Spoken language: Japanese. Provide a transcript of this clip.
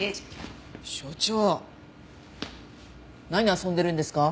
所長何遊んでるんですか？